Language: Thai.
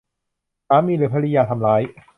สามีหรือภริยาทำร้าย